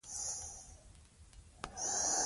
دا زموږ ګډه خاوره ده.